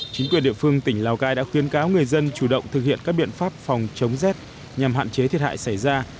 chính quyền địa phương tỉnh lào cai đã khuyến cáo người dân chủ động thực hiện các biện pháp phòng chống rét nhằm hạn chế thiệt hại xảy ra